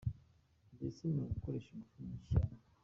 Mbese ni ugukoresha ingufu nyinshi cyane.